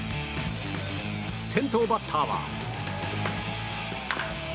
先頭バッターは。